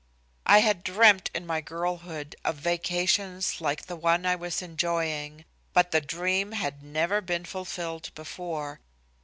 I had dreamed in my girlhood of vacations like the one I was enjoying, but the dream had never been fulfilled before.